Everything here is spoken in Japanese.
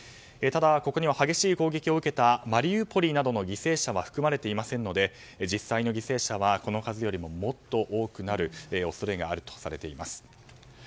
ただ、ここには激しい攻撃を受けたマリウポリなどの犠牲者は含まれていませんので実際の犠牲者はこの数よりももっと多くなる恐れがあるとされています。